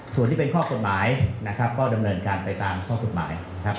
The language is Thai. ส่วนที่เป็นข้อกฎหมายนะครับก็ดำเนินการไปตามข้อกฎหมายครับ